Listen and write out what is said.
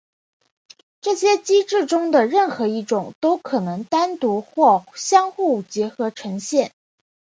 这些机制中的任何一种都可能单独或相互结合呈现。